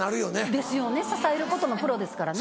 ですよね支えることのプロですからね。